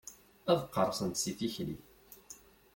Ad qqerṣent si tikli.